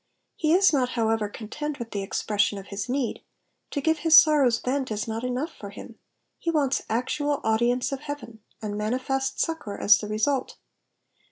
He is not however content with the expression of his neea : to give his sorrows vent is not enough for him, he wants actual audience of heaven, and manifest succour as the result.